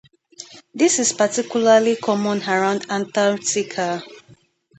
This is particularly common around Antarctica.